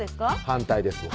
反対です僕